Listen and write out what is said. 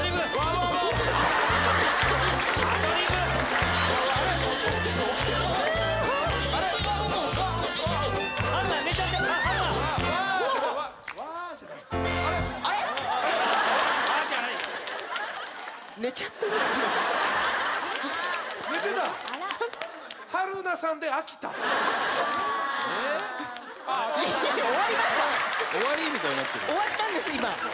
終わったんです今。